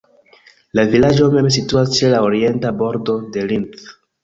La vilaĝo mem situas ĉe la orienta bordo de Linth.